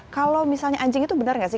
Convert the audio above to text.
kalau misalnya anjing itu benar nggak sih